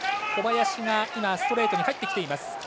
小林がストレートに入ってきています。